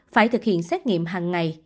phải thực hiện xét nghiệm hằng ngày